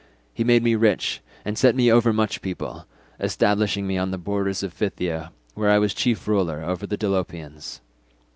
He made me rich and set me over much people, establishing me on the borders of Phthia where I was chief ruler over the Dolopians.